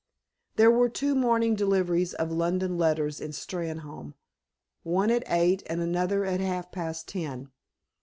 There were two morning deliveries of London letters in Steynholme, one at eight and another at half past ten.